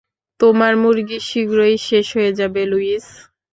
তোমার মুরগি শীঘ্রই শেষ হয়ে যাবে, লুইস।